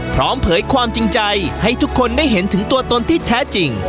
เผยความจริงใจให้ทุกคนได้เห็นถึงตัวตนที่แท้จริง